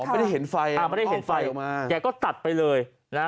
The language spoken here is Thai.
ไม่ได้เห็นไฟอ่ะเอาไฟออกมาแต่ก็ตัดไปเลยนะ